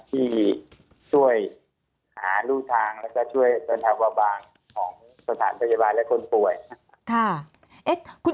ที่ช่วยหาลูกทางและช่วยตัวเนินทางบางของสถานพยาบาลและคนป่วย